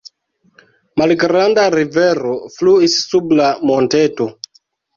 Malgranda rivero fluis sub la monteto.